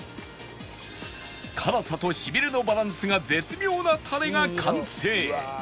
辛さとシビれのバランスが絶妙なタレが完成！